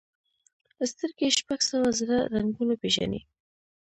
سترګې شپږ سوه زره رنګونه پېژني.